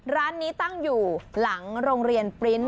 ร้านนี้ตั้งอยู่หลังโรงเรียนปริ้นต์